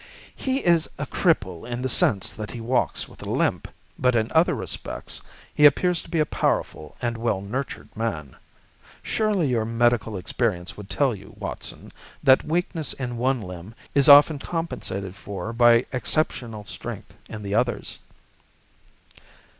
"He is a cripple in the sense that he walks with a limp; but in other respects he appears to be a powerful and well nurtured man. Surely your medical experience would tell you, Watson, that weakness in one limb is often compensated for by exceptional strength in the others."